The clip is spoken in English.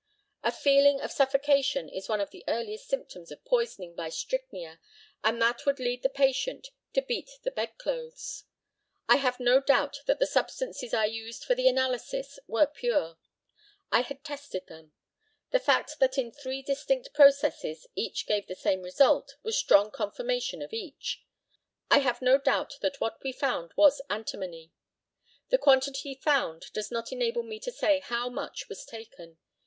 A feeling of suffocation is one of the earliest symptoms of poisoning by strychnia, and that would lead the patient to beat the bed clothes. I have no doubt that the substances I used for the analysis were pure. I had tested them. The fact that in three distinct processes each gave the same result, was strong confirmation of each. I have no doubt that what we found was antimony. The quantity found does not enable me to say how much was taken.